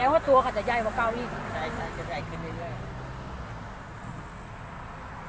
แสดงว่าตัวเขาจะไยมาเกาอีก